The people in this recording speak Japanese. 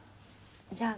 じゃあ。